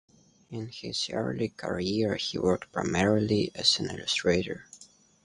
In his early career, he worked primarily as an illustrator.